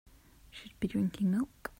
Should be drinking milk.